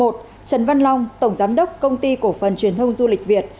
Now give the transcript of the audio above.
trần văn long tổng giám đốc công ty cổ phần truyền thông du lịch việt